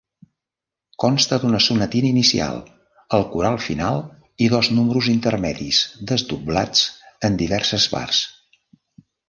Consta d’una sonatina inicial el coral final i dos números intermedis desdoblats en diverses parts.